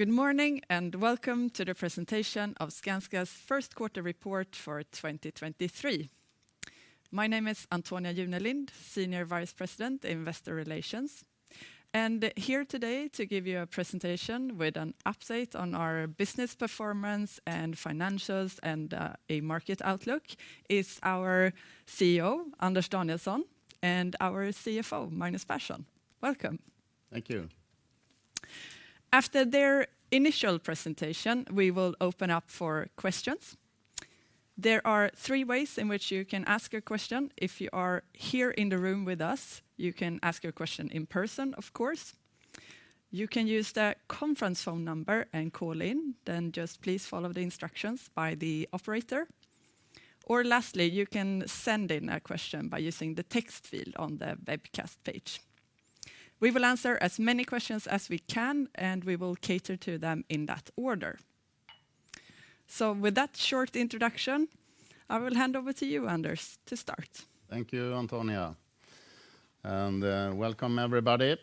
Good morning, welcome to the presentation of Skanska's First Quarter Report for 2023. My name is Antonia Junelind, Senior Vice President, Investor Relations. Here today to give you a presentation with an update on our business performance and financials and a market outlook is our CEO, Anders Danielsson, and our CFO, Magnus Persson. Welcome. Thank you. After their initial presentation, we will open up for questions. There are three ways in which you can ask a question. If you are here in the room with us, you can ask your question in person, of course. You can use the conference phone number and call in. Just please follow the instructions by the operator. Lastly, you can send in a question by using the text field on the webcast page. We will answer as many questions as we can, and we will cater to them in that order. With that short introduction, I will hand over to you, Anders, to start. Thank you, Antonia. Welcome, everybody.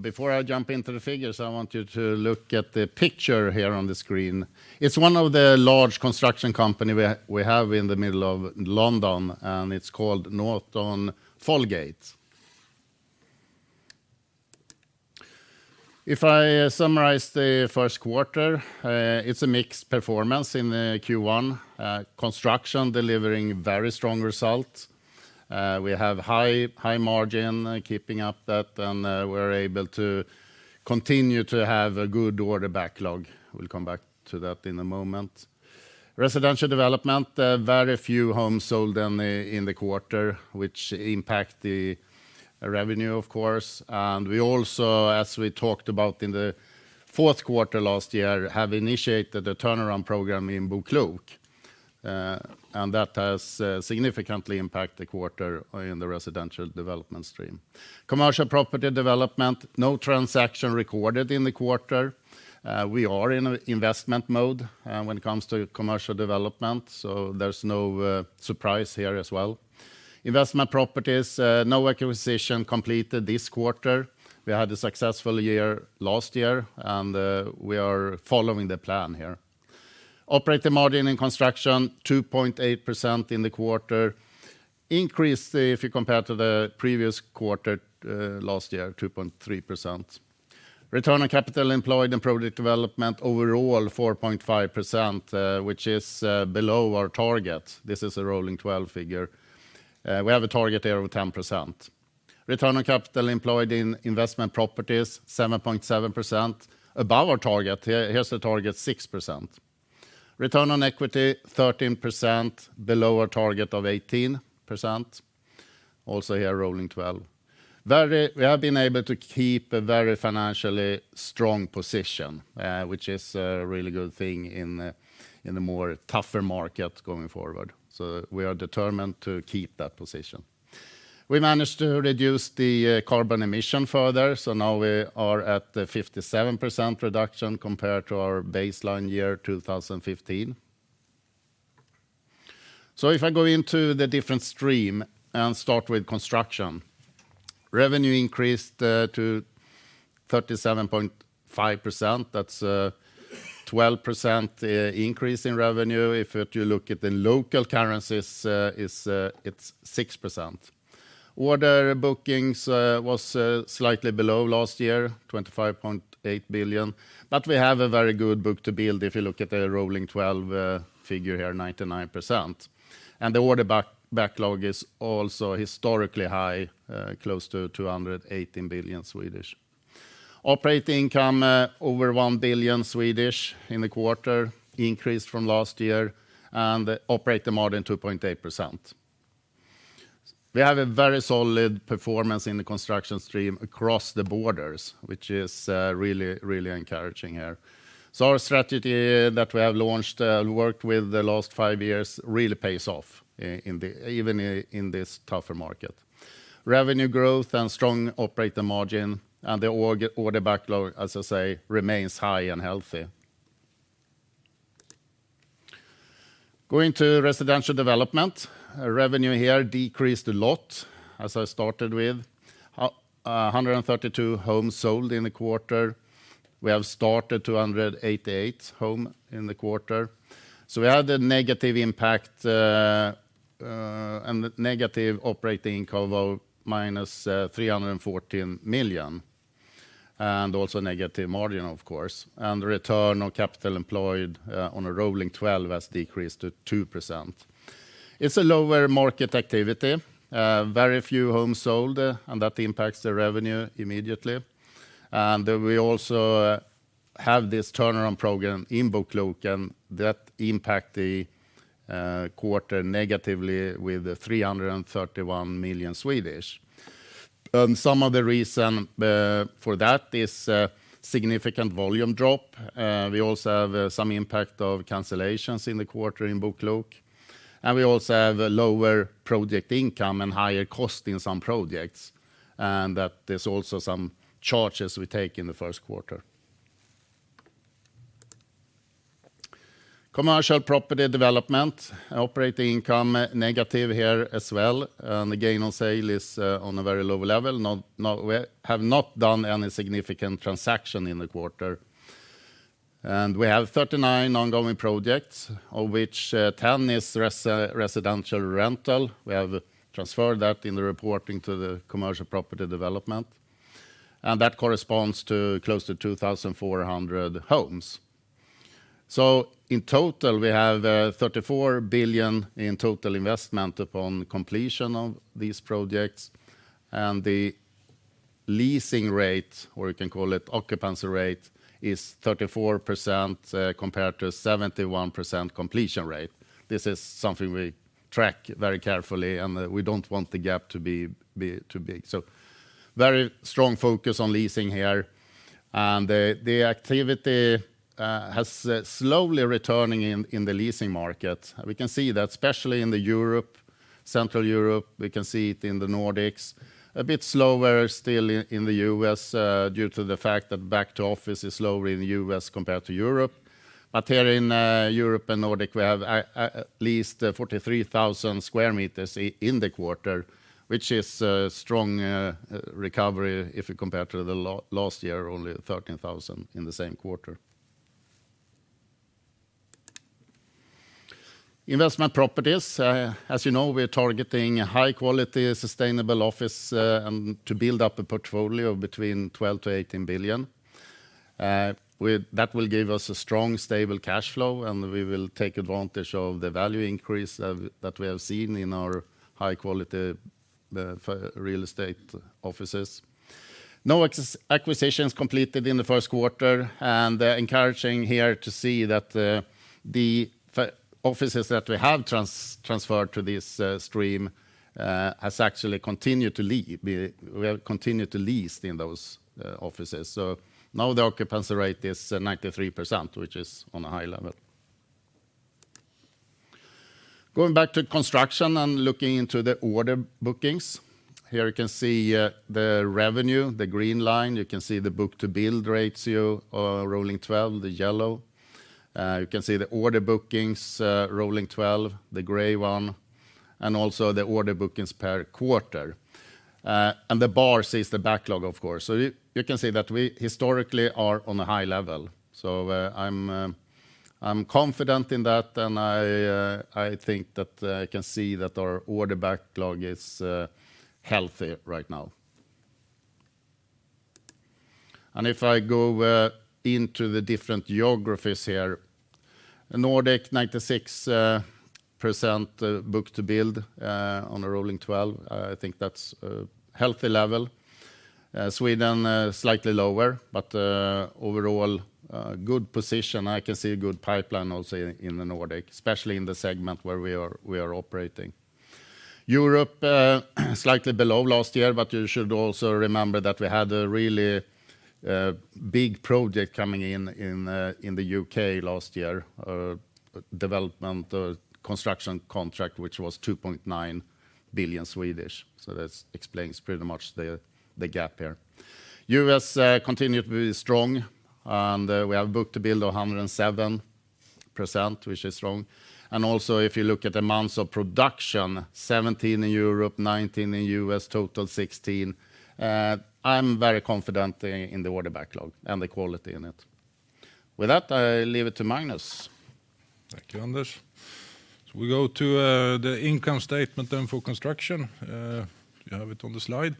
Before I jump into the figures, I want you to look at the picture here on the screen. It's one of the large construction company we have in the middle of London, and it's called Norton Folgate. If I summarize the first quarter, it's a mixed performance in the Q1. Construction delivering very strong results. We have high margin, keeping up that, and we're able to continue to have a good order backlog. We'll come back to that in a moment. Residential development, very few homes sold in the quarter, which impact the revenue, of course. We also, as we talked about in the fourth quarter last year, have initiated a turnaround program in BoKlok. That has significantly impact the quarter in the residential development stream. Commercial Property Development, no transaction recorded in the quarter. We are in a investment mode when it comes to commercial development, so there's no surprise here as well. Investment Properties, no acquisition completed this quarter. We had a successful year last year, and we are following the plan here. Operating margin in Construction, 2.8% in the quarter. Increased if you compare to the previous quarter, last year, 2.3%. Return on capital employed in project development, overall 4.5%, which is below our target. This is a rolling 12 figure. We have a target there of 10%. Return on capital employed in Investment Properties, 7.7%. Above our target. Here, here's the target, 6%. Return on equity, 13%. Below our target of 18%. Also here, rolling 12. We have been able to keep a very financially strong position, which is a really good thing in a, in a more tougher market going forward. We are determined to keep that position. We managed to reduce the carbon emission further, so now we are at the 57% reduction compared to our baseline year, 2015. If I go into the different stream and start with construction. Revenue increased to 37.5%. That's 12% increase in revenue. If you look at the local currencies, it's 6%. Order bookings was slightly below last year, 25.8 billion. We have a very good book-to-build if you look at the rolling 12 figure here, 99%. The order backlog is also historically high, close to 218 billion. Operating income over 1 billion in the quarter, increased from last year. Operating margin, 2.8%. We have a very solid performance in the construction stream across the borders, which is really, really encouraging here. Our strategy that we have launched and worked with the last five years really pays off even in this tougher market. Revenue growth and strong operating margin and the order backlog, as I say, remains high and healthy. Going to residential development. Revenue here decreased a lot, as I started with. A 132 homes sold in the quarter. We have started 288 home in the quarter. We had a negative impact, and negative operating income of minus 314 million, and also negative margin, of course. Return on capital employed, on a rolling 12 has decreased to 2%. It's a lower market activity. Very few homes sold, and that impacts the revenue immediately. We also have this turnaround program in Boklok, and that impact the quarter negatively with 331 million. Some of the reason, for that is, significant volume drop. We also have some impact of cancellations in the quarter in Boklok. We also have a lower project income and higher cost in some projects, and that is also some charges we take in the first quarter. Commercial Property Development operating income negative here as well, and the gain on sale is on a very low level. We have not done any significant transaction in the quarter. We have 39 ongoing projects, of which 10 is residential rental. We have transferred that in the reporting to the Commercial Property Development, and that corresponds to close to 2,400 homes. In total, we have 34 billion in total investment upon completion of these projects, and the leasing rate, or you can call it occupancy rate, is 34% compared to 71% completion rate. This is something we track very carefully, and we don't want the gap to be too big. Very strong focus on leasing here. The activity has slowly returning in the leasing market. We can see that especially in the Europe, Central Europe. We can see it in the Nordics. A bit slower still in the U.S. due to the fact that back to office is slower in the U.S. compared to Europe. Here in Europe and Nordic, we have at least 43,000 square meters in the quarter, which is a strong recovery if you compare to the last year, only 13,000 in the same quarter. Investment properties. As you know, we're targeting high quality, sustainable office to build up a portfolio between 12 billion-18 billion. That will give us a strong, stable cash flow, and we will take advantage of the value increase that we have seen in our high quality real estate offices. No acquisitions completed in the first quarter, and encouraging here to see that the offices that we have transferred to this stream has actually continued to lease in those offices. Now the occupancy rate is 93%, which is on a high level. Going back to construction and looking into the order bookings. Here you can see the revenue, the green line. You can see the book-to-build ratio, rolling 12, the yellow. You can see the order bookings, rolling 12, the gray one, and also the order bookings per quarter. The bars is the backlog, of course. You can see that we historically are on a high level. I'm confident in that, and I think that I can see that our order backlog is healthy right now. If I go into the different geographies here. Nordic, 96% book-to-build on a rolling 12. I think that's a healthy level. Sweden, slightly lower, but overall, good position. I can see a good pipeline also in the Nordic, especially in the segment where we are operating. Europe, slightly below last year, but you should also remember that we had a really big project coming in in the UK last year. Development construction contract, which was 2.9 billion SEK. That explains pretty much the gap here. US continued to be strong, and we have book-to-build of 107%, which is strong. Also, if you look at the months of production, 17 in Europe, 19 in US, total 16. I'm very confident in the order backlog and the quality in it. With that, I leave it to Magnus. Thank you, Anders. We go to the income statement then for construction. You have it on the slide.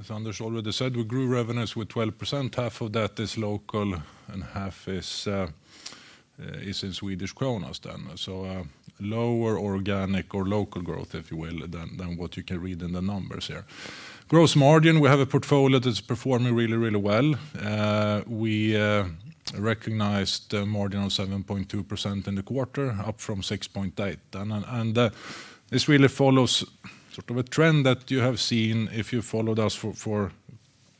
As Anders already said, we grew revenues with 12%. Half of that is local and half is in Swedish kronors then. Lower organic or local growth, if you will, than what you can read in the numbers here. Gross margin, we have a portfolio that's performing really, really well. We recognized a margin of 7.2% in the quarter, up from 6.8%. This really follows sort of a trend that you have seen if you followed us for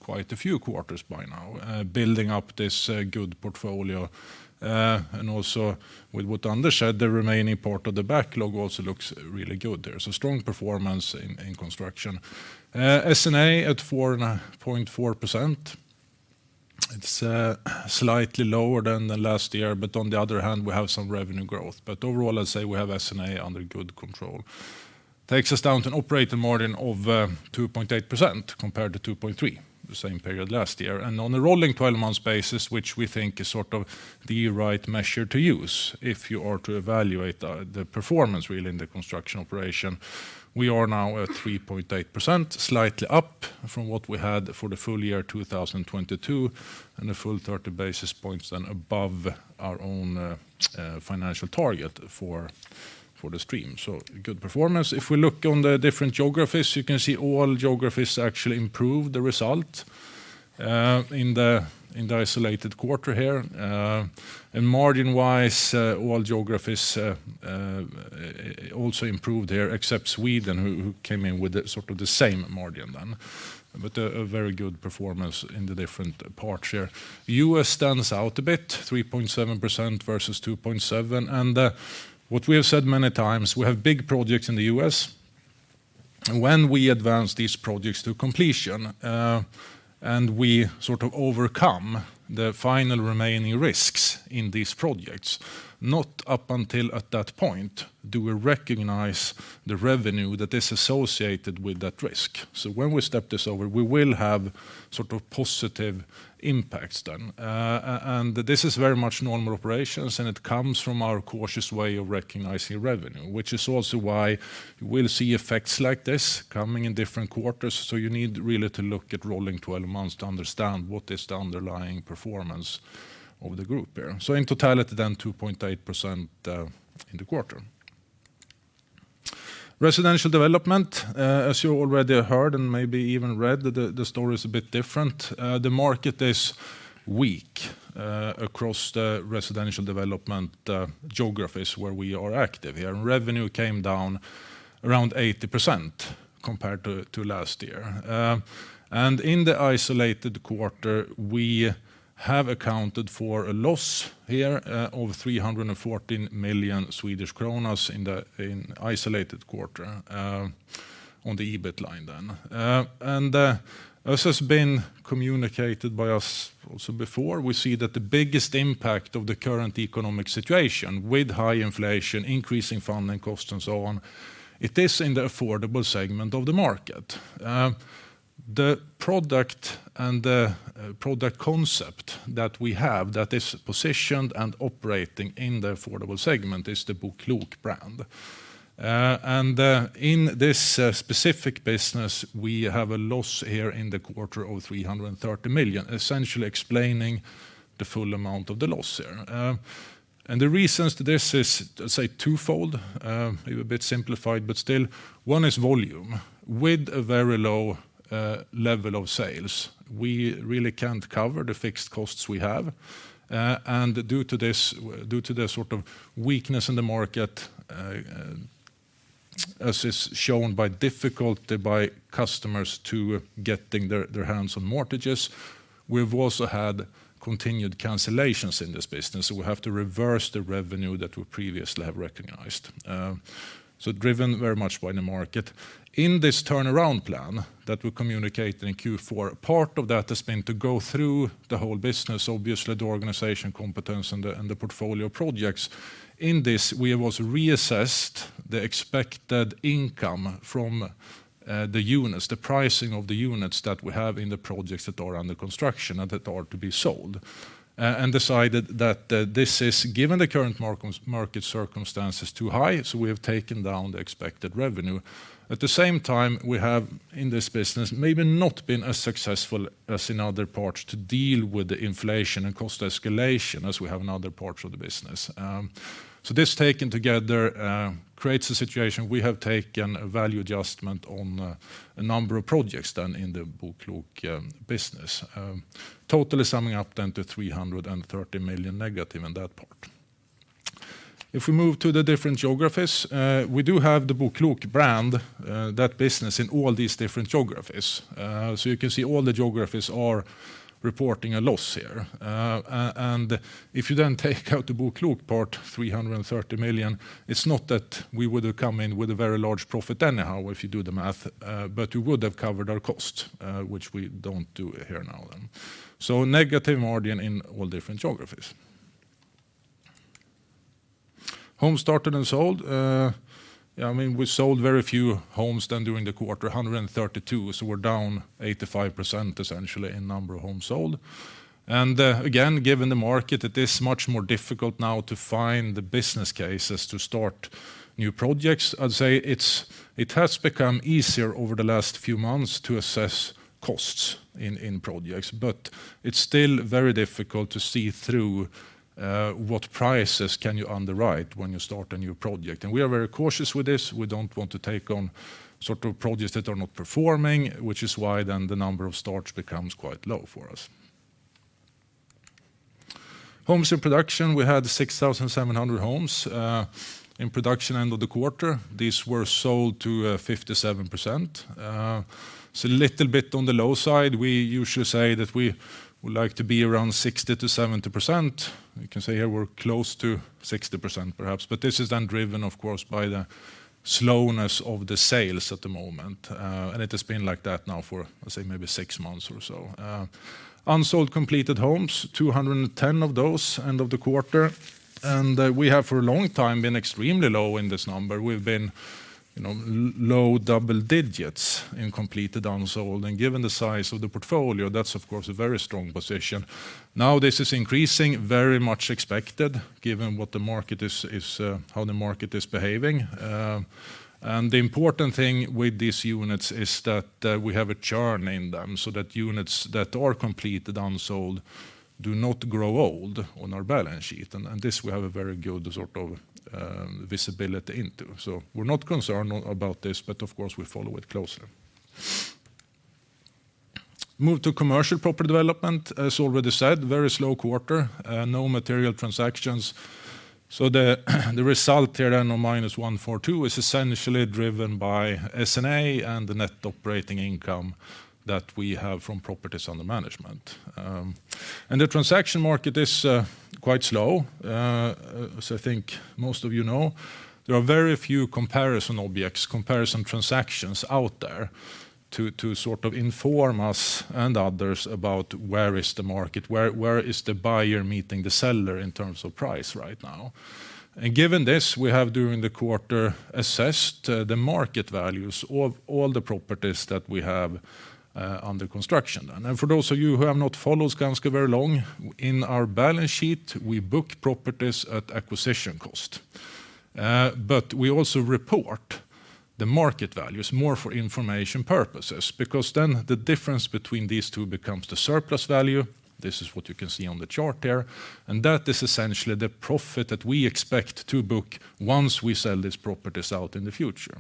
quite a few quarters by now, building up this good portfolio. Also with what Anders said, the remaining part of the backlog also looks really good there. Strong performance in construction. S&A at 4.4%. It's slightly lower than the last year, but on the other hand, we have some revenue growth. Overall, I'd say we have S&A under good control. Takes us down to an operating margin of 2.8% compared to 2.3% the same period last year. On a rolling 12 months basis, which we think is sort of the right measure to use if you are to evaluate the performance really in the construction operation, we are now at 3.8%, slightly up from what we had for the full year 2022, and a full 30 basis points then above our own financial target for the stream. Good performance. If we look on the different geographies, you can see all geographies actually improve the result, in the, in the isolated quarter here. Margin-wise, all geographies also improved here except Sweden, who came in with the sort of the same margin then. A very good performance in the different parts here. US stands out a bit, 3.7% versus 2.7%. What we have said many times, we have big projects in the US. When we advance these projects to completion, and we sort of overcome the final remaining risks in these projects, not up until at that point do we recognize the revenue that is associated with that risk. When we step this over, we will have sort of positive impacts then. This is very much normal operations, and it comes from our cautious way of recognizing revenue, which is also why we'll see effects like this coming in different quarters. You need really to look at rolling 12 months to understand what is the underlying performance of the group here. In totality then, 2.8% in the quarter. Residential development, as you already heard and maybe even read, the story is a bit different. The market is weak across the residential development geographies where we are active here. Revenue came down around 80% compared to last year. In the isolated quarter, we have accounted for a loss here of 314 million Swedish kronor in isolated quarter on the EBIT line then. This has been communicated by us also before. We see that the biggest impact of the current economic situation with high inflation, increasing funding costs, and so on, it is in the affordable segment of the market. The product and product concept that we have that is positioned and operating in the affordable segment is the BoKlok brand. In this specific business, we have a loss here in the quarter of 330 million, essentially explaining the full amount of the loss here. The reasons to this is, say, twofold. Maybe a bit simplified, but still, one is volume. With a very low level of sales, we really can't cover the fixed costs we have. Due to the sort of weakness in the market, as is shown by difficulty by customers to getting their hands on mortgages, we've also had continued cancellations in this business. We have to reverse the revenue that we previously have recognized. Driven very much by the market. In this turnaround plan that we communicated in Q4, part of that has been to go through the whole business, obviously the organization competence and the portfolio projects. In this, we also reassessed the expected income from the units, the pricing of the units that we have in the projects that are under construction and that are to be sold, and decided that this is, given the current market circumstances, too high, so we have taken down the expected revenue. At the same time, we have, in this business, maybe not been as successful as in other parts to deal with the inflation and cost escalation as we have in other parts of the business. This taken together creates a situation. We have taken a value adjustment on a number of projects done in the BoKlok business, totally summing up then to 330 million negative in that part. If we move to the different geographies, we do have the BoKlok brand, that business in all these different geographies. You can see all the geographies are reporting a loss here. And if you then take out the BoKlok part, 330 million, it's not that we would have come in with a very large profit anyhow if you do the math, but we would have covered our cost, which we don't do here now then. Negative margin in all different geographies. Homes started and sold. I mean, we sold very few homes then during the quarter, 132, so we're down 85% essentially in number of homes sold. Again, given the market, it is much more difficult now to find the business cases to start new projects. I'd say it has become easier over the last few months to assess costs in projects, but it's still very difficult to see through what prices can you underwrite when you start a new project. We are very cautious with this. We don't want to take on sort of projects that are not performing, which is why then the number of starts becomes quite low for us. Homes in production, we had 6,700 homes in production end of the quarter. These were sold to 57%. It's a little bit on the low side. We usually say that we would like to be around 60%-70%. You can say here we're close to 60% perhaps, but this is then driven, of course, by the slowness of the sales at the moment. It has been like that now for, let's say, maybe six months or so. Unsold completed homes, 210 of those end of the quarter. We have for a long time been extremely low in this number. We've been, you know, low double digits in completed unsold. Given the size of the portfolio, that's of course a very strong position. Now this is increasing, very much expected given what the market is, how the market is behaving. The important thing with these units is that we have a churn in them so that units that are completed unsold do not grow old on our balance sheet. This we have a very good sort of visibility into. We're not concerned about this, but of course we follow it closely. Move to commercial property development. As already said, very slow quarter. No material transactions. The result here of minus 142 is essentially driven by S&A and the net operating income that we have from properties under management. The transaction market is quite slow as I think most of you know. There are very few comparison objects, comparison transactions out there to sort of inform us and others about where is the market, where is the buyer meeting the seller in terms of price right now. Given this, we have during the quarter assessed the market values of all the properties that we have under construction then. For those of you who have not followed Skanska very long, in our balance sheet, we book properties at acquisition cost. We also report the market values more for information purposes because then the difference between these two becomes the surplus value. This is what you can see on the chart there. That is essentially the profit that we expect to book once we sell these properties out in the future.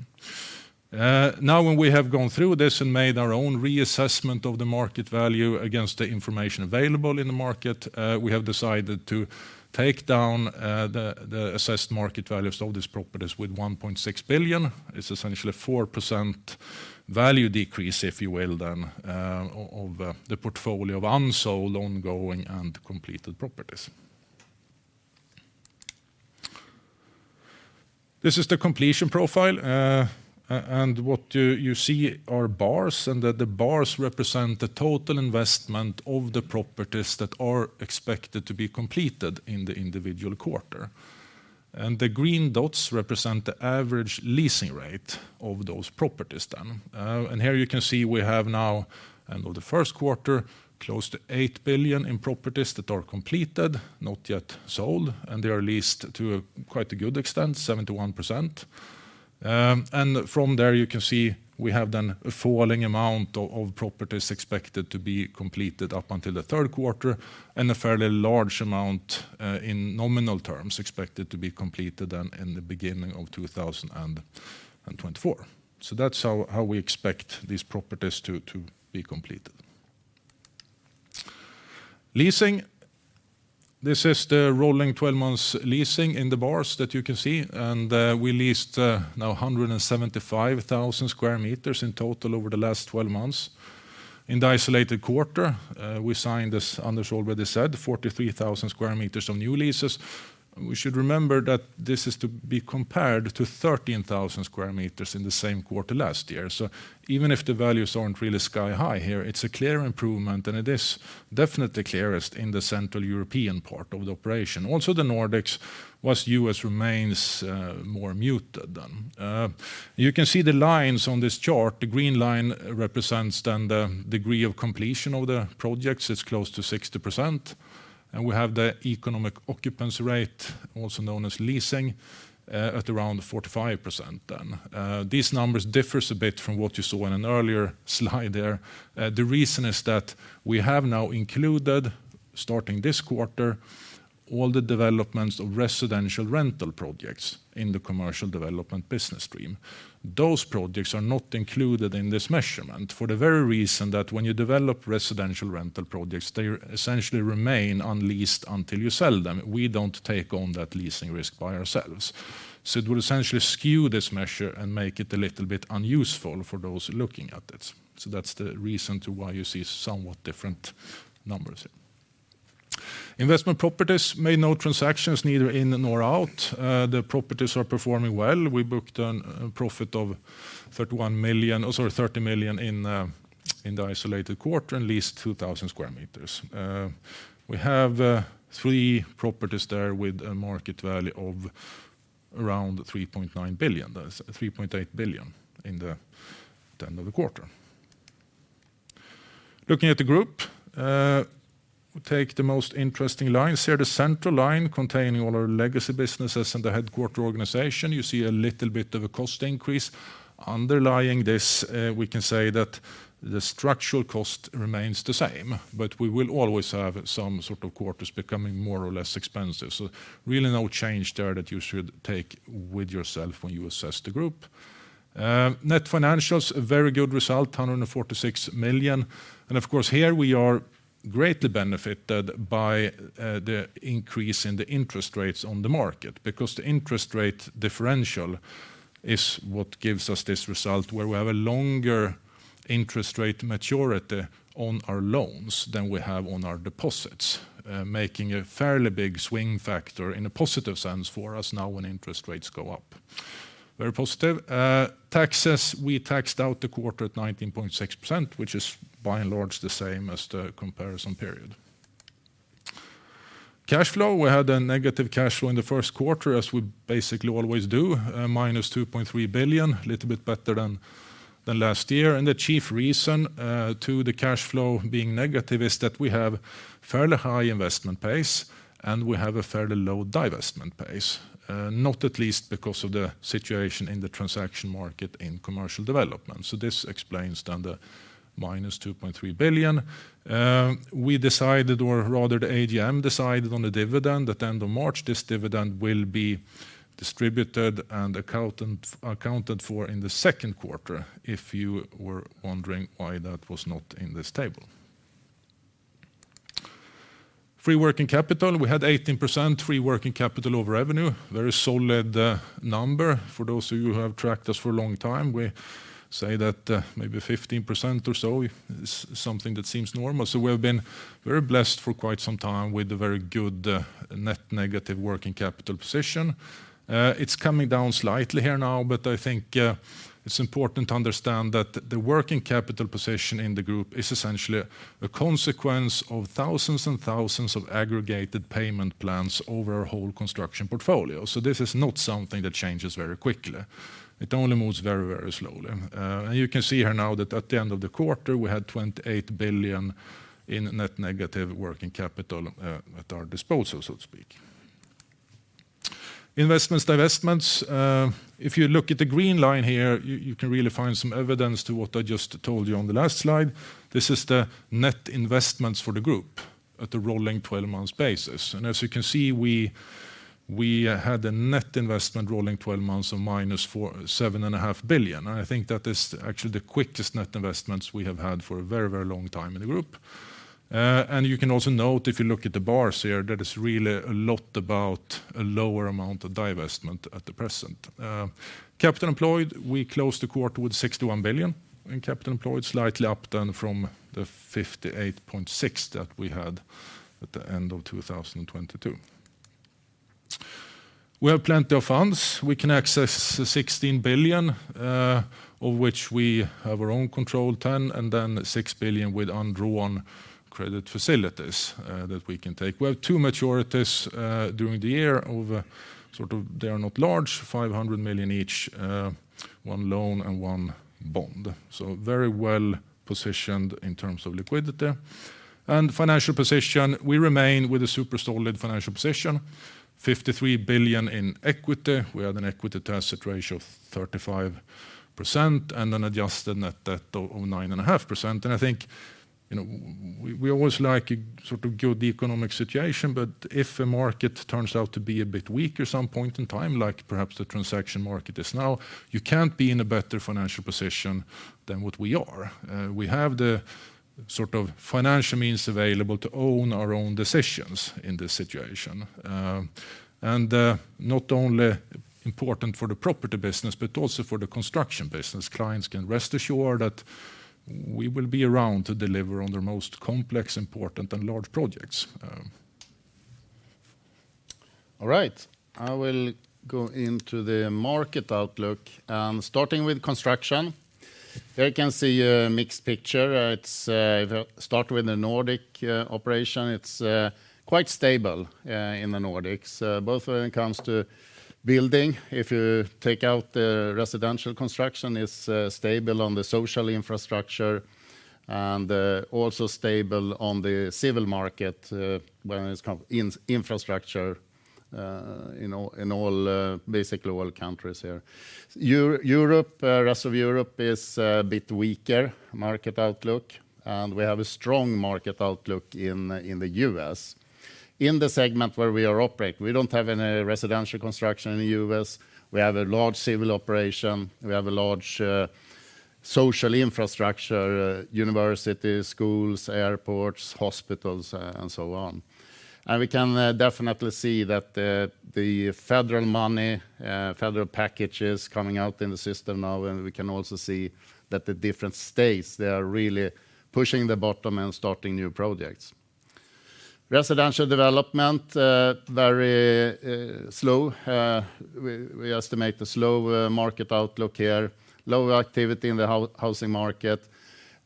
Now when we have gone through this and made our own reassessment of the market value against the information available in the market, we have decided to take down the assessed market values of these properties with 1.6 billion. It's essentially 4% value decrease, if you will, then, of the portfolio of unsold, ongoing, and completed properties. This is the completion profile. What you see are bars, and the bars represent the total investment of the properties that are expected to be completed in the individual quarter. The green dots represent the average leasing rate of those properties then. Here you can see we have now, end of the first quarter, close to 8 billion in properties that are completed, not yet sold, and they are leased to quite a good extent, 71%. From there you can see we have then a falling amount of properties expected to be completed up until the third quarter, and a fairly large amount in nominal terms expected to be completed then in the beginning of 2024. So that's how we expect these properties to be completed. Leasing. This is the rolling 12 months leasing in the bars that you can see, and we leased now 175,000 sq m in total over the last 12 months. In the isolated quarter, we signed, as Anders Danielsson already said, 43,000 sq m of new leases. We should remember that this is to be compared to 13,000 square meters in the same quarter last year. Even if the values aren't really sky-high here, it's a clear improvement, and it is definitely clearest in the Central European part of the operation. Also the Nordics, whilst U.S. remains more muted then. You can see the lines on this chart. The green line represents then the degree of completion of the projects. It's close to 60%. We have the economic occupancy rate, also known as leasing, at around 45% then. These numbers differs a bit from what you saw in an earlier slide there. The reason is that we have now included, starting this quarter, all the developments of residential rental projects in the commercial development business stream. Those projects are not included in this measurement for the very reason that when you develop residential rental projects, they essentially remain unleased until you sell them. We don't take on that leasing risk by ourselves. It will essentially skew this measure and make it a little bit unuseful for those looking at it. That's the reason to why you see somewhat different numbers. Investment properties made no transactions neither in nor out. The properties are performing well. We booked a profit of 31 million, or sorry, 30 million in the isolated quarter, and leased 2,000 square meters. We have three properties there with a market value of around 3.9 billion. That is 3.9 billion in the end of the quarter. Looking at the group, we take the most interesting lines here. The central line containing all our legacy businesses and the headquarter organization. You see a little bit of a cost increase. Underlying this, we can say that the structural cost remains the same, but we will always have some sort of quarters becoming more or less expensive. Really no change there that you should take with yourself when you assess the group. Net financials, a very good result, 146 million. Of course, here we are greatly benefited by the increase in the interest rates on the market, because the interest rate differential is what gives us this result where we have a longer interest rate maturity on our loans than we have on our deposits, making a fairly big swing factor in a positive sense for us now when interest rates go up. Very positive. Taxes, we taxed out the quarter at 19.6%, which is by and large the same as the comparison period. Cash flow, we had a negative cash flow in the first quarter, as we basically always do, -2.3 billion, little bit better than last year. The chief reason to the cash flow being negative is that we have fairly high investment pace, and we have a fairly low divestment pace, not at least because of the situation in the transaction market in commercial development. This explains then the -2.3 billion. We decided, or rather the AGM decided on the dividend at the end of March. This dividend will be distributed and accounted for in the second quarter, if you were wondering why that was not in this table. Free working capital, we had 18% free working capital over revenue. Very solid number for those of you who have tracked us for a long time. We say that maybe 15% or so is something that seems normal. We have been very blessed for quite some time with a very good net negative working capital position. It's coming down slightly here now, but I think it's important to understand that the working capital position in the group is essentially a consequence of thousands and thousands of aggregated payment plans over a whole construction portfolio. This is not something that changes very quickly. It only moves very, very slowly. And you can see here now that at the end of the quarter, we had 28 billion in net negative working capital at our disposal, so to speak. Investments, divestments. If you look at the green line here, you can really find some evidence to what I just told you on the last slide. This is the net investments for the group at the rolling 12 months basis. As you can see, we had a net investment rolling 12 months of minus seven and a half billion. I think that is actually the quickest net investments we have had for a very, very long time in the group. You can also note, if you look at the bars here, that it's really a lot about a lower amount of divestment at the present. Capital employed, we closed the quarter with 61 billion in capital employed, slightly up than from 58.6 that we had at the end of 2022. We have plenty of funds. We can access 16 billion, of which we have our own control, 10 billion, and then 6 billion with undrawn credit facilities that we can take. We have two majorities during the year of sort of, they are not large, 500 million each, one loan and one bond. Very well-positioned in terms of liquidity. Financial position, we remain with a super solid financial position, 53 billion in equity. We have an equity to asset ratio of 35% and an adjusted net debt of 9.5%. I think, you know, we always like a sort of good economic situation, but if a market turns out to be a bit weak at some point in time, like perhaps the transaction market is now, you can't be in a better financial position than what we are. We have the sort of financial means available to own our own decisions in this situation. Not only important for the property business, but also for the construction business. Clients can rest assured that we will be around to deliver on their most complex, important, and large projects. All right. I will go into the market outlook. Starting with construction. There you can see a mixed picture. It's start with the Nordic operation. It's quite stable in the Nordics both when it comes to building. If you take out the residential construction, it's stable on the social infrastructure and also stable on the civil market when it comes infrastructure in all, basically all countries here. Europe, rest of Europe is a bit weaker market outlook, and we have a strong market outlook in the US. In the segment where we operate, we don't have any residential construction in the US. We have a large civil operation. We have a large social infrastructure, universities, schools, airports, hospitals, and so on. We can definitely see that the federal money, federal packages coming out in the system now, and we can also see that the different states, they are really pushing the bottom and starting new projects. Residential development, very slow. We estimate the slow market outlook here. Low activity in the housing market.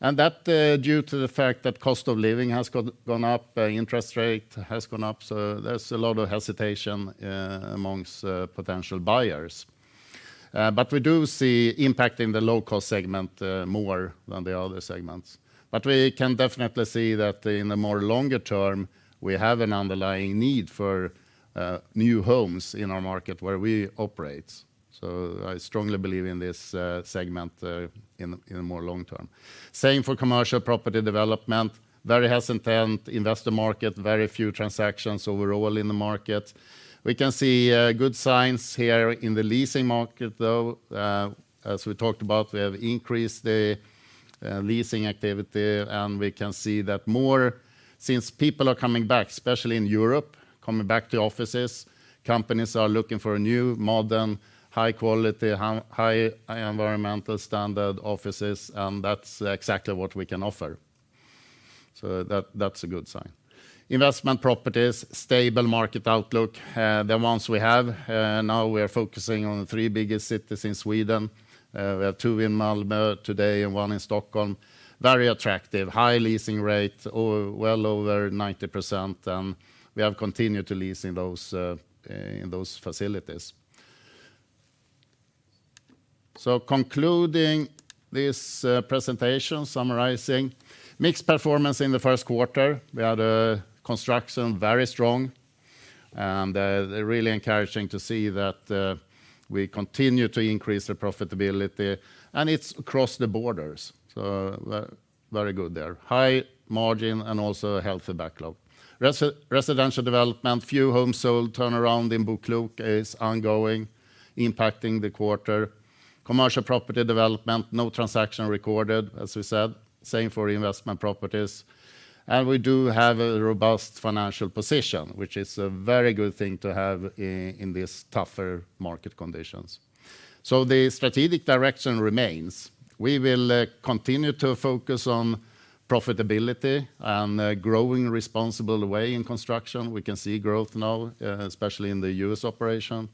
That due to the fact that cost of living has gone up, interest rate has gone up. There's a lot of hesitation amongst potential buyers. We do see impact in the low-cost segment more than the other segments. We can definitely see that in the more longer term, we have an underlying need for new homes in our market where we operate. I strongly believe in this segment in the more long term. Same for commercial property development. Very hesitant investor market. Very few transactions overall in the market. We can see good signs here in the leasing market, though. As we talked about, we have increased the leasing activity, and we can see that more since people are coming back, especially in Europe, coming back to offices. Companies are looking for a new, modern, high quality, high environmental standard offices, and that's exactly what we can offer. That, that's a good sign. Investment properties, stable market outlook. The ones we have, now we are focusing on the three biggest cities in Sweden. We have two in Malmö today and one in Stockholm. Very attractive. High leasing rate or well over 90%, and we have continued to lease in those in those facilities. Concluding this presentation, summarizing. Mixed performance in the first quarter. We had construction very strong, and really encouraging to see that we continue to increase the profitability, and it's across the borders. Very good there. High margin and also a healthy backlog. Residential development, few homes sold. Turnaround in BoKlok is ongoing, impacting the quarter. Commercial property development, no transaction recorded, as we said. Same for investment properties. We do have a robust financial position, which is a very good thing to have in these tougher market conditions. The strategic direction remains. We will continue to focus on profitability and growing responsible way in construction. We can see growth now, especially in the U.S. operation.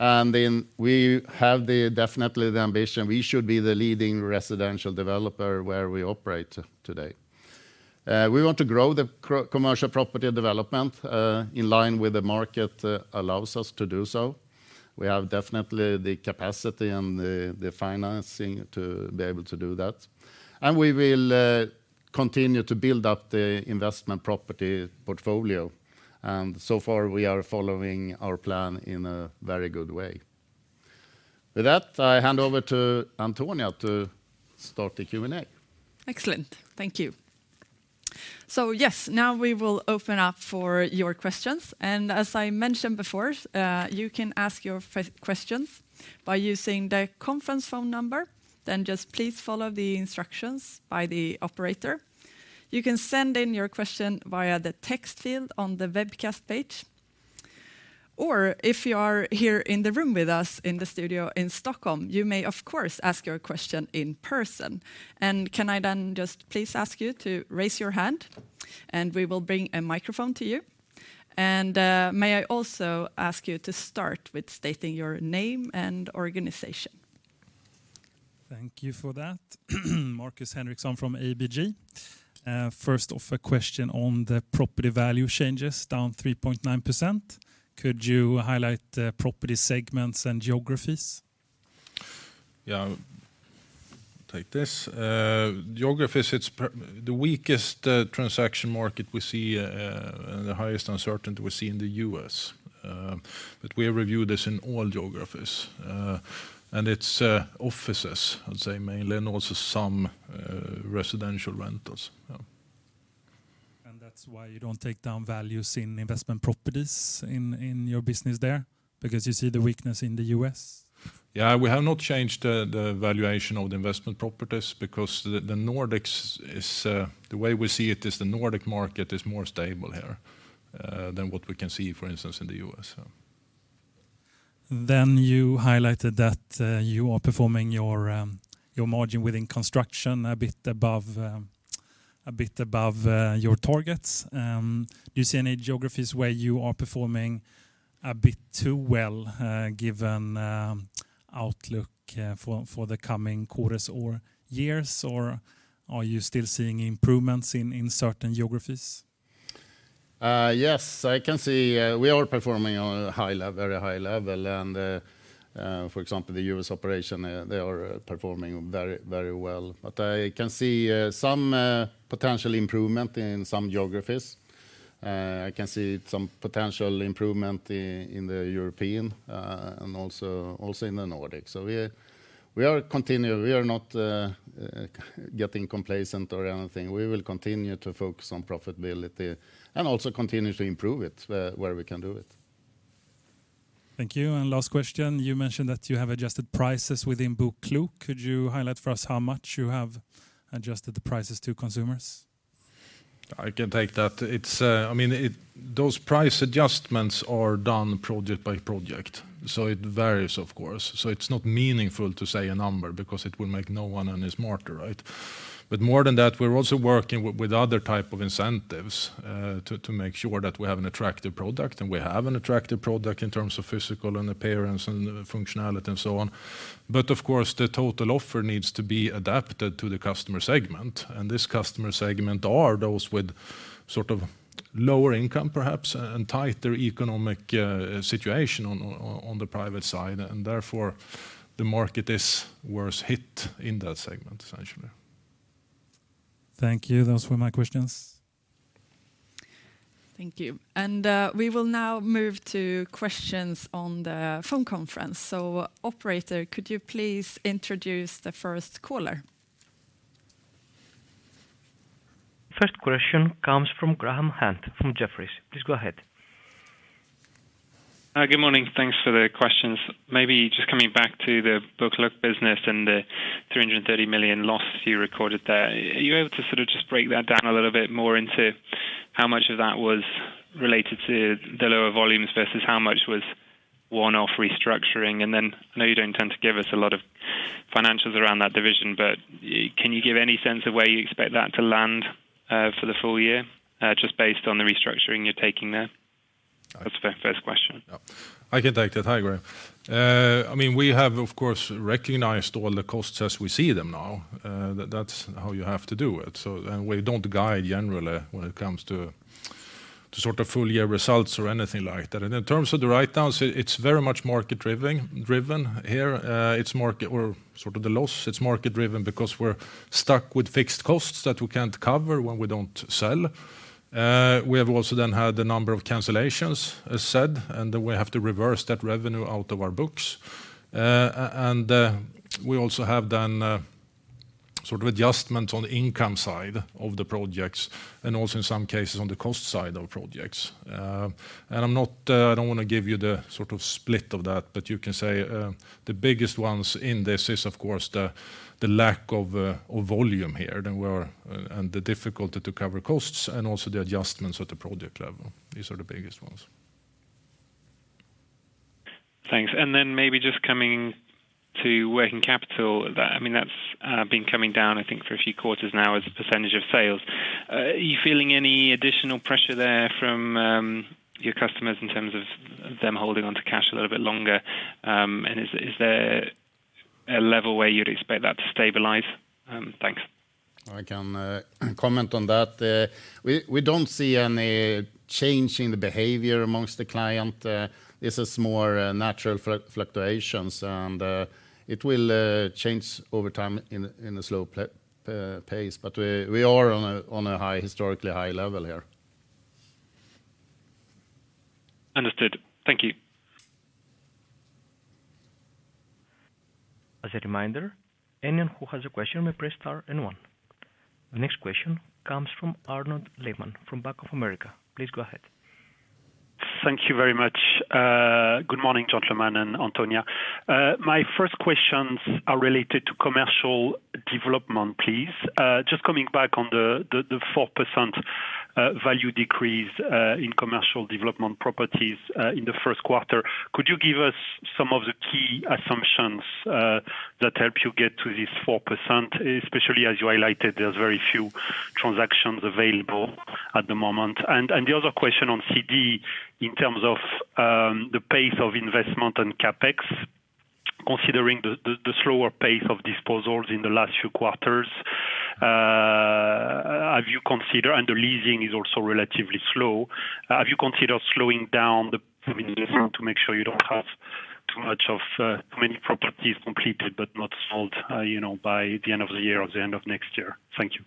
We have definitely the ambition. We should be the leading residential developer where we operate today. We want to grow the commercial property development in line with the market allows us to do so. We have definitely the capacity and the financing to be able to do that. We will continue to build up the investment property portfolio. So far we are following our plan in a very good way. With that, I hand over to Antonia to start the Q&A. Excellent. Thank you. Yes, now we will open up for your questions. As I mentioned before, you can ask your questions by using the conference phone number. Just please follow the instructions by the operator. You can send in your question via the text field on the webcast page. If you are here in the room with us in the studio in Stockholm, you may, of course, ask your question in person. Can I then just please ask you to raise your hand, and we will bring a microphone to you. May I also ask you to start with stating your name and organization. Thank you for that. Markus Henriksson from ABG. First off, a question on the property value changes down 3.9%. Could you highlight the property segments and geographies? Yeah. Take this. Geographies, it's the weakest transaction market we see, the highest uncertainty we see in the US. We review this in all geographies. It's offices, I'd say mainly, and also some residential rentals. Yeah. That's why you don't take down values in investment properties in your business there? Because you see the weakness in the US? Yeah. We have not changed the valuation of the investment properties because the Nordics is the way we see it is the Nordic market is more stable here than what we can see, for instance, in the US, so. You highlighted that you are performing your margin within construction a bit above your targets. Do you see any geographies where you are performing a bit too well given outlook for the coming quarters or years? Or are you still seeing improvements in certain geographies? Yes, I can see we are performing on a high level, very high level. For example, the U.S. operation, they are performing very, very well. I can see some potential improvement in some geographies. I can see some potential improvement in the European, and also in the Nordics. We are not getting complacent or anything. We will continue to focus on profitability and also continue to improve it where we can do it. Thank you. Last question. You mentioned that you have adjusted prices within BoKlok. Could you highlight for us how much you have adjusted the prices to consumers? I can take that. It's, I mean, those price adjustments are done project by project, it varies, of course. It's not meaningful to say a number because it will make no one any smarter, right? More than that, we're also working with other type of incentives to make sure that we have an attractive product, and we have an attractive product in terms of physical and appearance and functionality and so on. Of course, the total offer needs to be adapted to the customer segment, and this customer segment are those with sort of lower income perhaps and tighter economic situation on the private side, therefore the market is worse hit in that segment, essentially. Thank you. Those were my questions. Thank you. We will now move to questions on the phone conference. Operator, could you please introduce the first caller? First question comes from Graham Hunt from Jefferies. Please go ahead. Good morning. Thanks for the questions. Maybe just coming back to the BoKlok business and the 330 million loss you recorded there. Are you able to sort of just break that down a little bit more into how much of that was related to the lower volumes versus how much was one-off restructuring? I know you don't tend to give us a lot of financials around that division, but can you give any sense of where you expect that to land for the full year just based on the restructuring you're taking there? That's the first question. Yeah. I can take that. Hi, Graham. I mean, we have of course recognized all the costs as we see them now. That's how you have to do it. We don't guide generally when it comes to sort of full year results or anything like that. In terms of the write-downs, it's very much market driven here. It's market or sort of the loss. It's market driven because we're stuck with fixed costs that we can't cover when we don't sell. We have also then had a number of cancellations, as said, and we have to reverse that revenue out of our books. We also have then, Sort of adjustment on the income side of the projects and also in some cases on the cost side of projects. I'm not, I don't want to give you the sort of split of that, but you can say, the biggest ones in this is of course the lack of volume here than and the difficulty to cover costs and also the adjustments at the project level. These are the biggest ones. Thanks. Maybe just coming to working capital. That, I mean, that's been coming down, I think, for a few quarters now as a % of sales. Are you feeling any additional pressure there from your customers in terms of them holding on to cash a little bit longer? Is there a level where you'd expect that to stabilize? Thanks. I can comment on that. We don't see any change in the behavior amongst the client. This is more natural fluctuations, and it will change over time in a slow pace. We are on a high, historically high level here. Understood. Thank you. As a reminder, anyone who has a question may press star and one. The next question comes from Arnaud Lehmann from Bank of America. Please go ahead. Thank you very much. Good morning, gentlemen and Antonia. My first questions are related to commercial development, please. Just coming back on the 4% value decrease in commercial development properties in the first quarter. Could you give us some of the key assumptions that help you get to this 4%, especially as you highlighted, there's very few transactions available at the moment? The other question on CD in terms of the pace of investment on CapEx, considering the slower pace of disposals in the last few quarters, have you considered. The leasing is also relatively slow. Have you considered slowing down the investment to make sure you don't have too much of, too many properties completed but not sold, you know, by the end of the year or the end of next year? Thank you.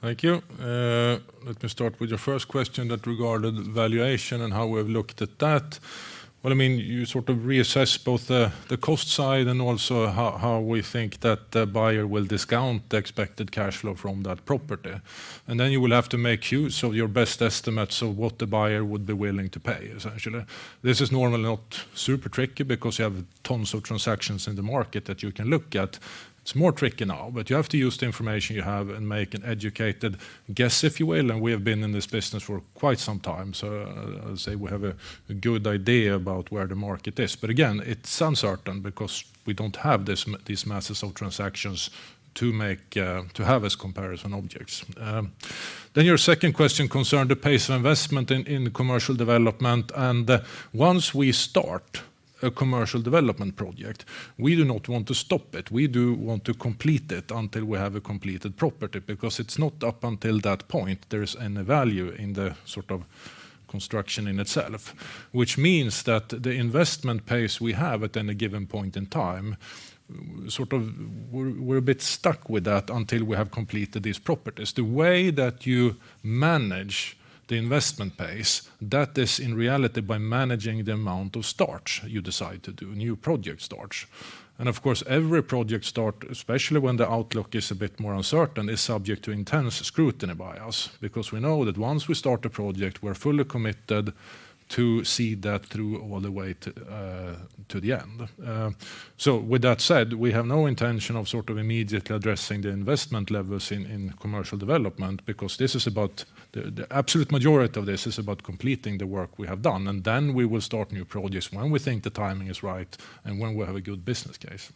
Thank you. Let me start with your first question that regarded valuation and how we've looked at that. Well, I mean, you sort of reassess both the cost side and also how we think that the buyer will discount the expected cash flow from that property. Then you will have to make use of your best estimates of what the buyer would be willing to pay, essentially. This is normally not super tricky because you have tons of transactions in the market that you can look at. It's more tricky now, but you have to use the information you have and make an educated guess, if you will. We have been in this business for quite some time. I'll say we have a good idea about where the market is. Again, it's uncertain because we don't have these masses of transactions to make, to have as comparison objects. Your second question concerned the pace of investment in the commercial development. Once we start a commercial development project, we do not want to stop it. We do want to complete it until we have a completed property, because it's not up until that point there is any value in the sort of construction in itself. Which means that the investment pace we have at any given point in time, sort of we're a bit stuck with that until we have completed these properties. The way that you manage the investment pace, that is in reality by managing the amount of starts you decide to do, new project starts. Of course, every project start, especially when the outlook is a bit more uncertain, is subject to intense scrutiny by us because we know that once we start a project, we're fully committed to see that through all the way to the end. So with that said, we have no intention of sort of immediately addressing the investment levels in commercial development because this is about the absolute majority of this is about completing the work we have done. Then we will start new projects when we think the timing is right and when we have a good business case.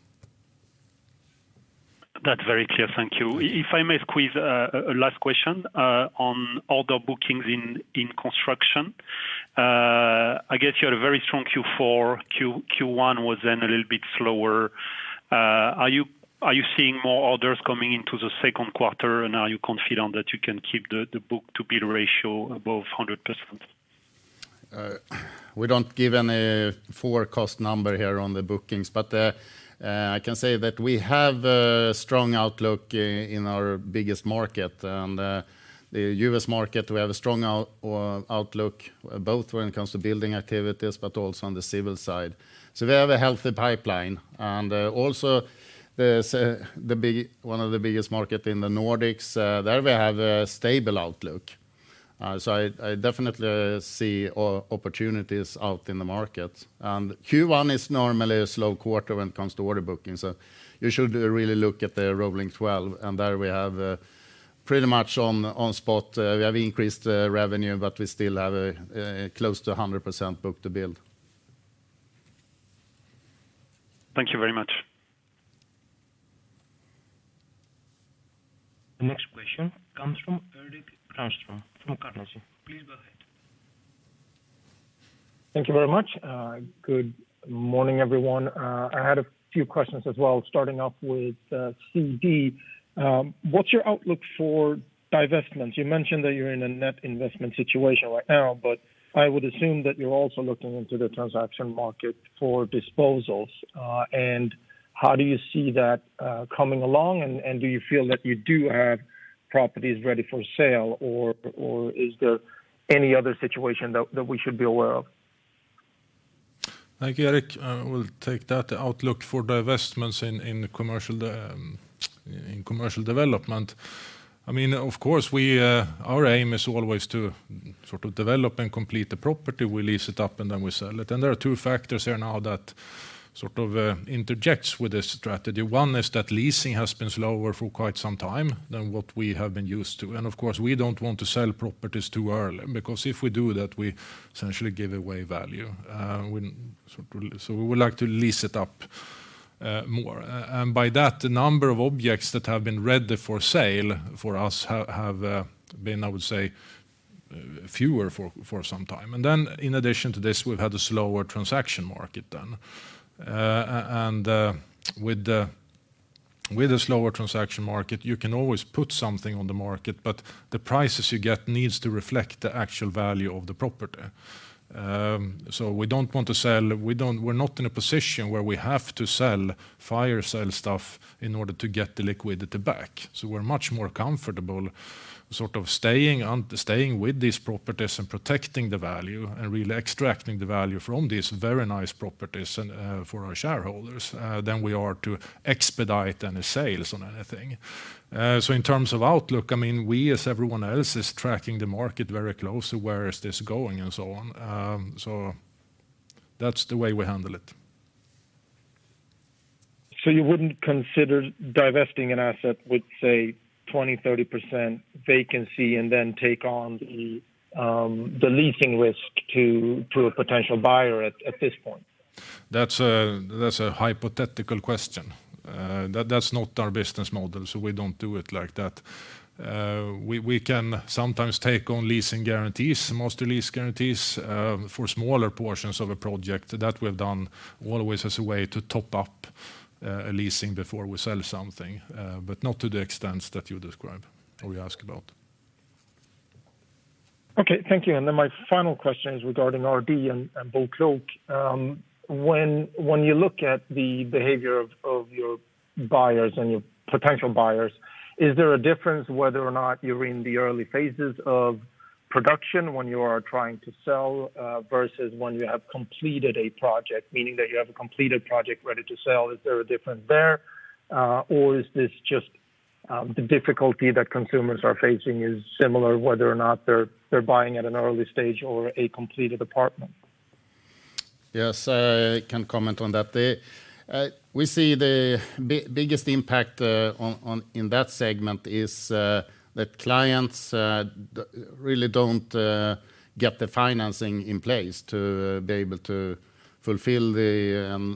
That's very clear. Thank you. If I may squeeze a last question on order bookings in construction. I guess you had a very strong Q4. Q1 was then a little bit slower. Are you seeing more orders coming into the second quarter? Are you confident that you can keep the book-to-build ratio above 100%? We don't give any forecast number here on the bookings, but I can say that we have a strong outlook in our biggest market. The U.S. market, we have a strong outlook both when it comes to building activities but also on the civil side. We have a healthy pipeline. Also there's one of the biggest market in the Nordics, there we have a stable outlook. I definitely see opportunities out in the market. Q1 is normally a slow quarter when it comes to order bookings. You should really look at the rolling 12, and there we have pretty much on spot. We have increased revenue, but we still have a close to a 100% book-to-build. Thank you very much. The next question comes from Erik Granström from Carnegie. Please go ahead. Thank you very much. Good morning, everyone. I had a few questions as well, starting off with CD. What's your outlook for divestments? You mentioned that you're in a net investment situation right now, but I would assume that you're also looking into the transaction market for disposals. How do you see that coming along? Do you feel that you do have properties ready for sale or is there any other situation that we should be aware of? Thank you, Erik. I will take that. The outlook for the investments in commercial development. I mean, of course, we, our aim is always to sort of develop and complete the property. We lease it up, and then we sell it. There are two factors here now that sort of interjects with this strategy. One is that leasing has been slower for quite some time than what we have been used to. Of course, we don't want to sell properties too early because if we do that, we essentially give away value. So we would like to lease it up more. By that, the number of objects that have been ready for sale for us have been, I would say, fewer for some time. In addition to this, we've had a slower transaction market then. With the, with a slower transaction market, you can always put something on the market, but the prices you get needs to reflect the actual value of the property. We don't want to sell. We're not in a position where we have to sell, fire sale stuff in order to get the liquidity back. We're much more comfortable sort of staying with these properties and protecting the value and really extracting the value from these very nice properties and for our shareholders than we are to expedite any sales on anything. In terms of outlook, I mean, we, as everyone else, is tracking the market very closely. Where is this going and so on. That's the way we handle it. You wouldn't consider divesting an asset with, say, 20%, 30% vacancy and then take on the leasing risk to a potential buyer at this point? That's a hypothetical question. That's not our business model, so we don't do it like that. We, we can sometimes take on leasing guarantees, master lease guarantees, for smaller portions of a project. That we've done always as a way to top up a leasing before we sell something, but not to the extent that you describe or you ask about. Okay, thank you. Then my final question is regarding RD and BoKlok. When you look at the behavior of your buyers and your potential buyers, is there a difference whether or not you're in the early phases of production when you are trying to sell, versus when you have completed a project, meaning that you have a completed project ready to sell? Is there a difference there? Or is this just the difficulty that consumers are facing is similar whether or not they're buying at an early stage or a completed apartment? Yes, I can comment on that. We see the biggest impact on in that segment is that clients really don't get the financing in place to be able to fulfill the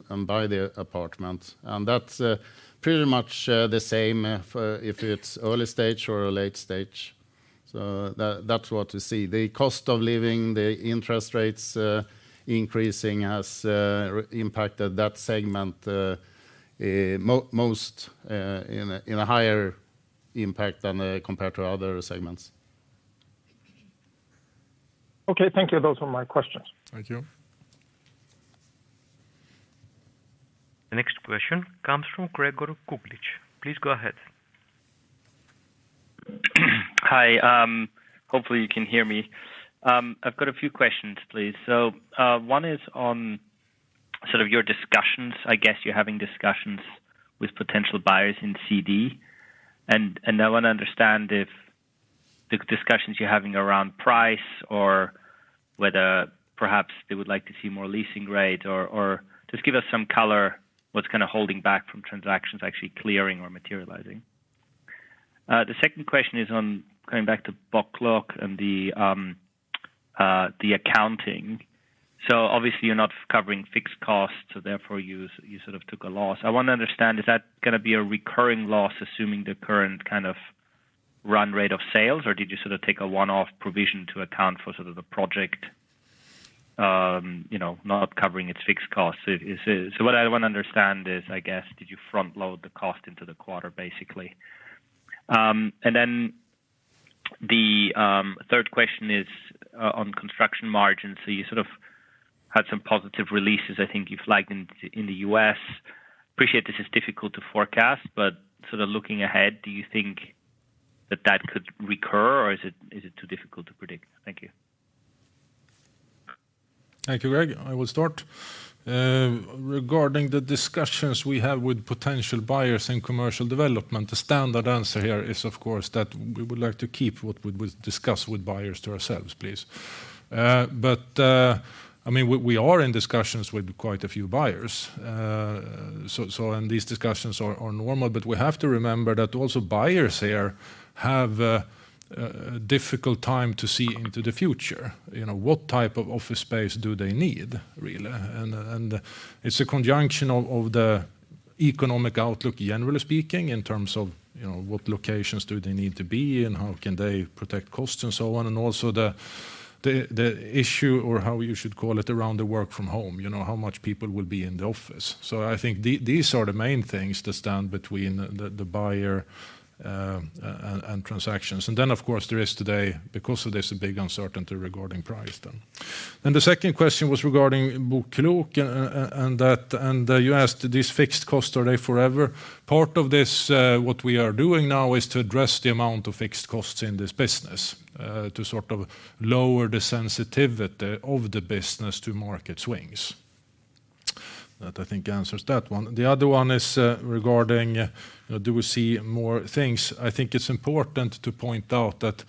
and buy the apartment. That's pretty much the same if it's early stage or a late stage. That's what we see. The cost of living, the interest rates increasing has impacted that segment most in a higher impact than compared to other segments. Okay, thank you. Those were my questions. Thank you. The next question comes from Gregor Kuglitsch. Please go ahead. Hi, hopefully you can hear me. I've got a few questions, please. One is on sort of your discussions. I guess you're having discussions with potential buyers in CD, and I wanna understand if the discussions you're having around price or whether perhaps they would like to see more leasing rate or just give us some color what's kind of holding back from transactions actually clearing or materializing. The second question is on going back to BoKlok and the accounting. Obviously, you're not covering fixed costs, so therefore you sort of took a loss. I wanna understand, is that gonna be a recurring loss, assuming the current kind of run rate of sales, or did you sort of take a one-off provision to account for sort of the project, you know, not covering its fixed costs? What I wanna understand is, I guess, did you front load the cost into the quarter, basically? Then the third question is on construction margins. You sort of had some positive releases, I think you flagged in the US. Appreciate this is difficult to forecast, but sort of looking ahead, do you think that that could recur, or is it too difficult to predict? Thank you. Thank you, Greg. I will start. Regarding the discussions we have with potential buyers in commercial development, the standard answer here is, of course, that we would like to keep what we discuss with buyers to ourselves, please. I mean, we are in discussions with quite a few buyers. These discussions are normal, but we have to remember that also buyers here have a difficult time to see into the future. You know, what type of office space do they need, really? It's a conjunction of the economic outlook, generally speaking, in terms of, you know, what locations do they need to be and how can they protect costs and so on. Also the issue or how you should call it around the work from home, you know, how much people will be in the office. I think these are the main things that stand between the buyer, and transactions. Then of course, there is today, because of this, a big uncertainty regarding price then. The second question was regarding BoKlok and that and you asked, these fixed costs, are they forever? Part of this, what we are doing now is to address the amount of fixed costs in this business, to sort of lower the sensitivity of the business to market swings. That I think answers that one. The other one is regarding do we see more things? I think it's important to point out that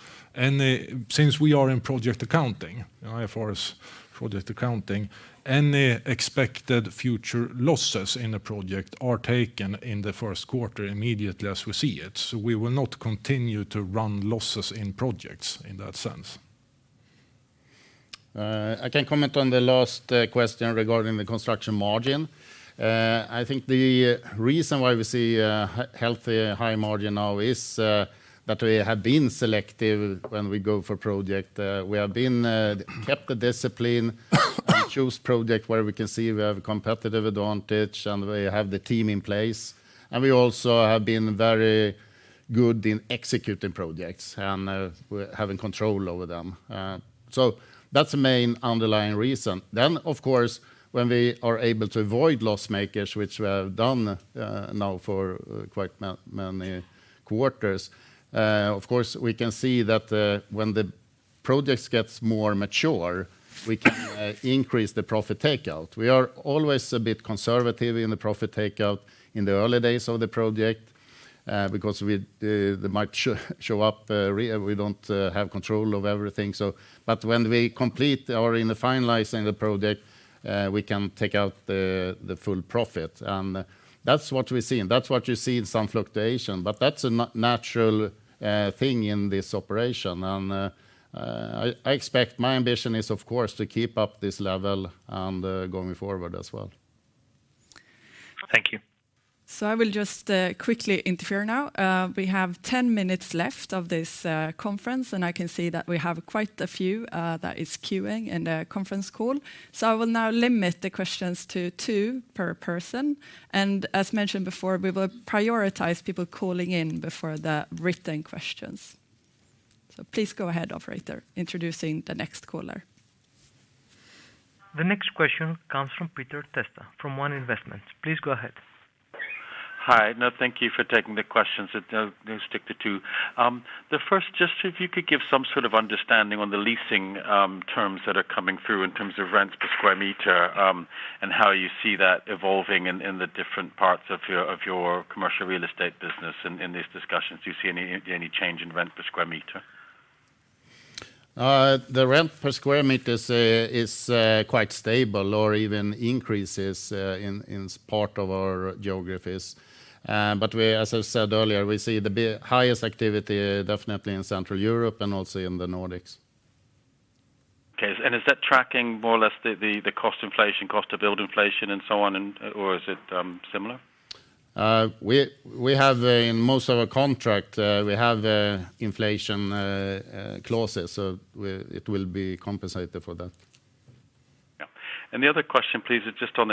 Since we are in project accounting, you know, IFRS project accounting, any expected future losses in a project are taken in the first quarter immediately as we see it. We will not continue to run losses in projects in that sense. I can comment on the last question regarding the construction margin. I think the reason why we see a healthy high margin now is that we have been selective when we go for project. We have been kept the discipline and choose project where we can see we have a competitive advantage and we have the team in place. We also have been very good in executing projects and having control over them. That's the main underlying reason. Of course, when we are able to avoid loss makers, which we have done now for quite many quarters, of course we can see that when the projects gets more mature, we can increase the profit takeout. We are always a bit conservative in the profit takeout in the early days of the project, because we, they might show up, we don't, have control of everything. When we complete or in the finalizing the project, we can take out the full profit. That's what we see, and that's what you see in some fluctuation. That's a natural, thing in this operation. I expect my ambition is of course to keep up this level and, going forward as well. Thank you. I will just quickly interfere now. We have 10 minutes left of this conference, and I can see that we have quite a few that is queuing in the conference call. I will now limit the questions to two per person. As mentioned before, we will prioritize people calling in before the written questions. Please go ahead operator, introducing the next caller. The next question comes from Peter Testa, from One Investments. Please go ahead. Hi. No, thank you for taking the questions. I will stick to two. The first, just if you could give some sort of understanding on the leasing terms that are coming through in terms of rents per square meter. How you see that evolving in the different parts of your commercial real estate business in these discussions? Do you see any change in rent per square meter? The rent per square meter is quite stable or even increases in part of our geographies. We, as I said earlier, we see the highest activity definitely in Central Europe and also in the Nordics. Okay. Is that tracking more or less the cost inflation, cost to build inflation and so on, or is it similar? We have in most of our contract, we have inflation clauses. It will be compensated for that. Yeah. The other question, please, is just on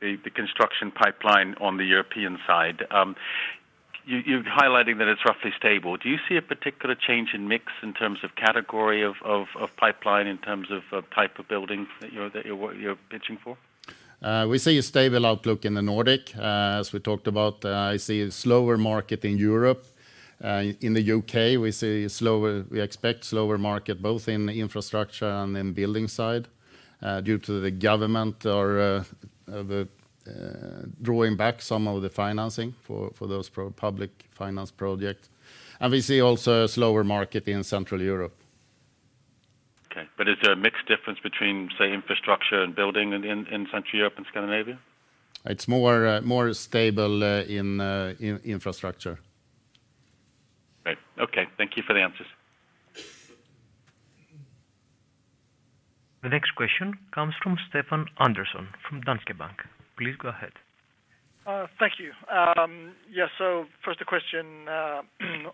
the construction pipeline on the European side. You're highlighting that it's roughly stable. Do you see a particular change in mix in terms of category of pipeline in terms of type of buildings that you're pitching for? We see a stable outlook in the Nordic, as we talked about. I see a slower market in Europe. In the UK we see slower, we expect slower market both in infrastructure and in building side, due to the government or the drawing back some of the financing for those public finance project. We see also a slower market in Central Europe. Okay. Is there a mix difference between, say, infrastructure and building in Central Europe and Scandinavia? It's more, more stable, in infrastructure. Great. Okay. Thank you for the answers. The next question comes from Stefan Andersson from Danske Bank. Please go ahead. Thank you. First a question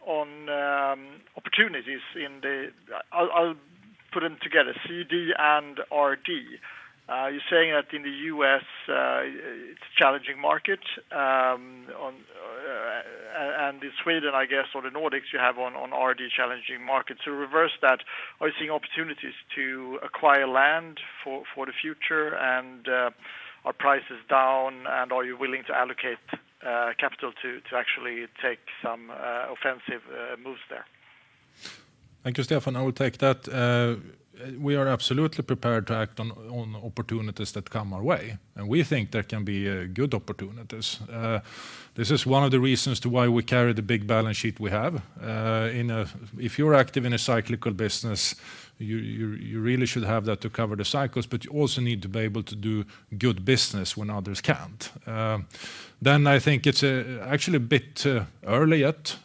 on opportunities in the... I'll put them together, CD and RD. You're saying that in the U.S., it's a challenging market on and in Sweden, I guess, or the Nordics you have on RD challenging markets. To reverse that, are you seeing opportunities to acquire land for the future? Are prices down? Are you willing to allocate capital to actually take some offensive moves there? Thank you, Stefan. I will take that. We are absolutely prepared to act on opportunities that come our way, and we think there can be good opportunities. This is one of the reasons to why we carry the big balance sheet we have. If you're active in a cyclical business, you really should have that to cover the cycles, but you also need to be able to do good business when others can't. Then I think it's actually a bit early yet.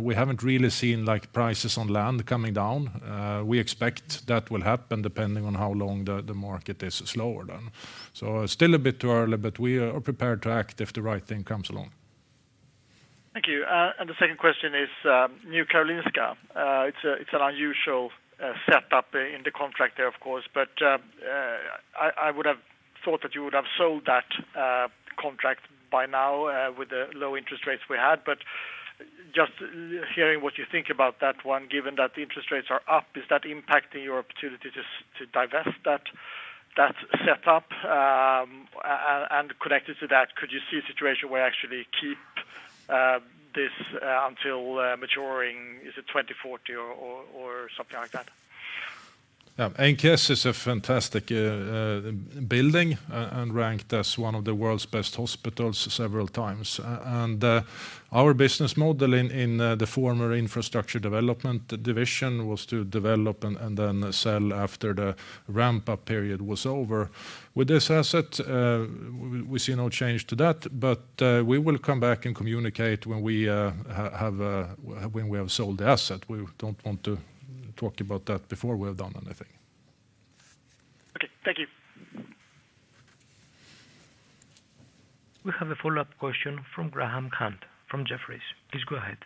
We haven't really seen like prices on land coming down. We expect that will happen depending on how long the market is slower then. Still a bit early, but we are prepared to act if the right thing comes along. Thank you. The second question is New Karolinska. It's an unusual setup in the contract there, of course, but I would have thought that you would have sold that contract by now with the low interest rates we had. Just hearing what you think about that one, given that the interest rates are up, is that impacting your opportunity to divest that setup? Connected to that, could you see a situation where you actually keep this until maturing, is it 2040 or something like that? NKS is a fantastic building and ranked as one of the world's best hospitals several times. Our business model in the former infrastructure development division was to develop and then sell after the ramp-up period was over. With this asset, we see no change to that, we will come back and communicate when we have sold the asset. We don't want to talk about that before we have done anything. Okay, thank you. We have a follow-up question from Graham Hunt from Jefferies. Please go ahead.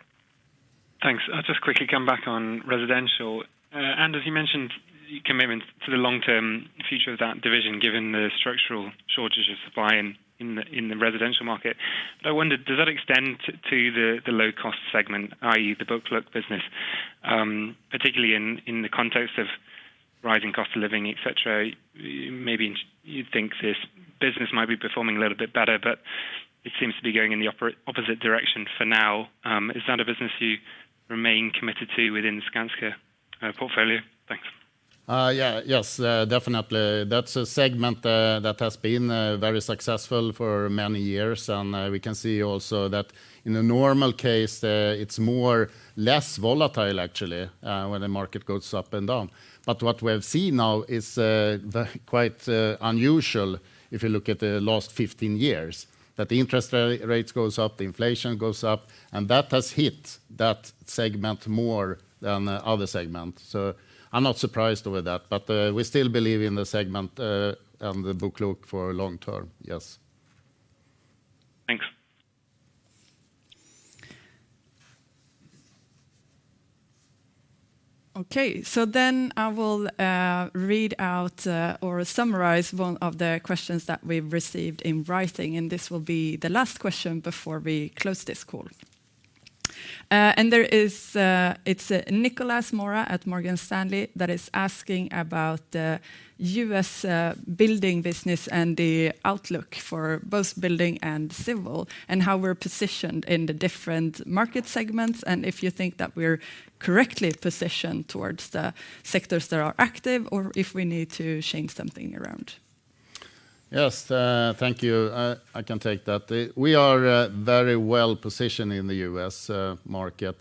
Thanks. I'll just quickly come back on residential. Anders, you mentioned your commitment to the long-term future of that division given the structural shortage of supply in the residential market. I wonder, does that extend to the low-cost segment, i.e., the BoKlok business? Particularly in the context of rising cost of living, et cetera, maybe you think this business might be performing a little bit better, but it seems to be going in the opposite direction for now. Is that a business you remain committed to within Skanska portfolio? Thanks. Yeah. Yes, definitely. That's a segment that has been very successful for many years. We can see also that in a normal case, it's more less volatile actually, when the market goes up and down. What we have seen now is the quite unusual if you look at the last 15 years, that the interest rates goes up, the inflation goes up, and that has hit that segment more than the other segment. I'm not surprised with that, but we still believe in the segment and the BoKlok for long term, yes. Thanks. I will read out or summarize one of the questions that we've received in writing, and this will be the last question before we close this call. Nicolas Mora at Morgan Stanley is asking about U.S. building business and the outlook for both building and civil, and how we're positioned in the different market segments, and if you think that we're correctly positioned towards the sectors that are active or if we need to change something around. Yes, thank you. I can take that. We are very well positioned in the U.S. market.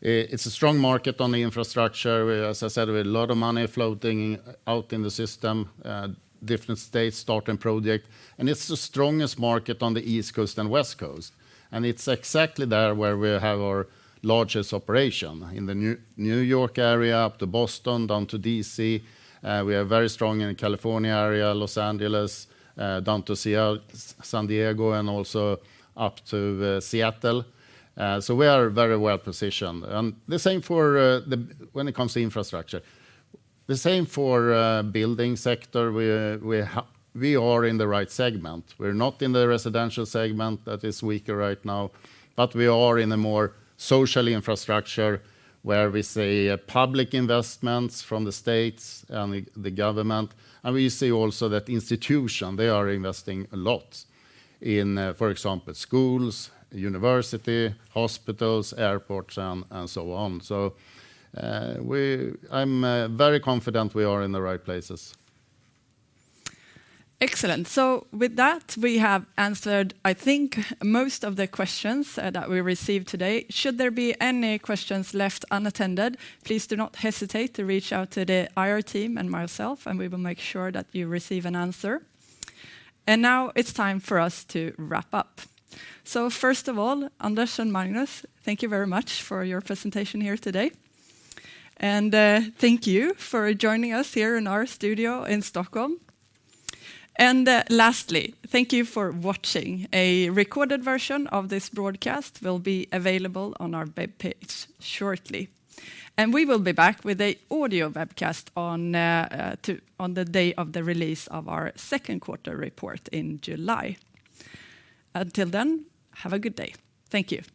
It's a strong market on the infrastructure. We, as I said, we have a lot of money floating out in the system, different states starting project, and it's the strongest market on the East Coast and West Coast, and it's exactly there where we have our largest operation, in the New York area, up to Boston, down to D.C. We are very strong in the California area, Los Angeles, down to San Diego, and also up to Seattle. We are very well positioned. The same for when it comes to infrastructure. The same for building sector. We, we are in the right segment. We're not in the residential segment that is weaker right now, but we are in a more social infrastructure where we see public investments from the states and the government. We see also that institution, they are investing a lot in, for example, schools, university, hospitals, airports, and so on. I'm very confident we are in the right places. Excellent. With that, we have answered, I think, most of the questions that we received today. Should there be any questions left unattended, please do not hesitate to reach out to the IR team and myself, and we will make sure that you receive an answer. Now it's time for us to wrap up. First of all, Anders and Magnus, thank you very much for your presentation here today. Thank you for joining us here in our studio in Stockholm. Lastly, thank you for watching. A recorded version of this broadcast will be available on our webpage shortly. We will be back with an audio webcast on the day of the release of our second quarter report in July. Until then, have a good day. Thank you.